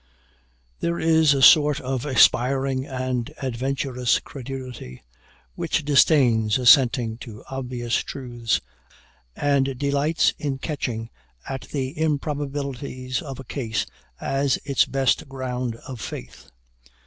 "There is a sort of aspiring and adventurous credulity, which disdains assenting to obvious truths, and delights in catching at the improbabilities of a case as its best ground of faith.